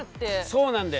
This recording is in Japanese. そうなんだよ。